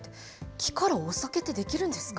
木からお酒って出来るんですか？